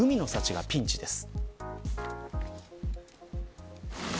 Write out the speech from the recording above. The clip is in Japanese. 海の幸がピンチです。